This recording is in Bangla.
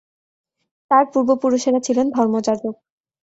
তার পূর্বপুরুষেরা ছিলেন ধর্মযাজক।